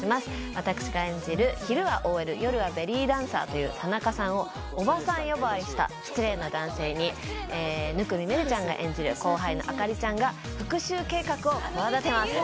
私が演じる昼はＯＬ、夜はベリーダンサーという田中さんを、おばさん呼ばわりした失礼な男性に、生見愛瑠ちゃんが演じる後輩のあかりちゃんが、復しゅう計画を企てます。